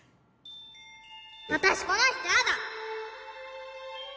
私この人やだ！